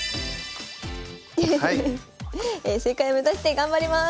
正解目指して頑張ります。